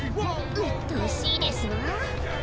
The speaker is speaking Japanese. うっとうしいですわ。